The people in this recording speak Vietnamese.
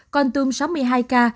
con tương sáu mươi hai ca